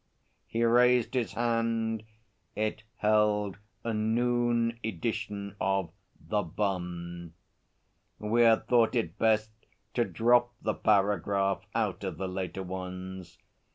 He raised his hand; it held a noon edition of The Bun. We had thought it best to drop the paragraph out of the later ones.